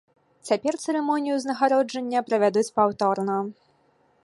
Цяпер цырымонію ўзнагароджання правядуць паўторна.